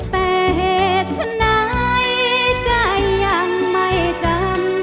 แต่เหตุฉันไหนใจยังไม่จำ